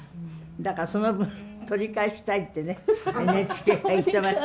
だからその分取り返したいってねＮＨＫが言ってました。